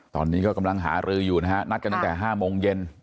ตอนนี้ก็กำลังหารืออยู่นะฮะนัดกันตั้งแต่๕โมงเย็น